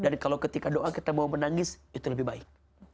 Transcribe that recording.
dan kalau ketika doa kita mau menangis itu lebih baik